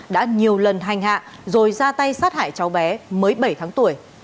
đã nhiều lần hành hạ rồi ra tay sát hại cháu bé mới bảy tháng tuổi